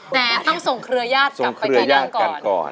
ต้องส่งเครื่องยาศกลับไปกระยกก่อน